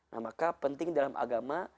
nah maka penting dalam agama